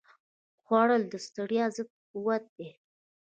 خوړل د ستړیا ضد قوت دی